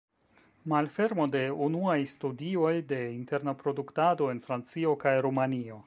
Malfermo de unuaj studioj de interna produktado en Francio kaj Rumanio.